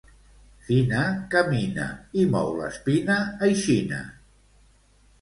Fina camina i mou l'espina aixina